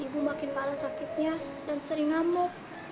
ibu makin parah sakitnya dan sering ngamuk